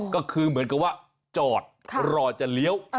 ก็คือเหมือนกับว่าจอดรอจะเลี้ยว